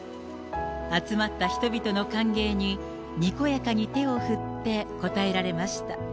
集まった人々の歓迎に、にこやかに手を振って応えられました。